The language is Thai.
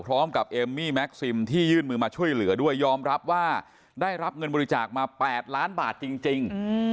เอมมี่แม็กซิมที่ยื่นมือมาช่วยเหลือด้วยยอมรับว่าได้รับเงินบริจาคมา๘ล้านบาทจริง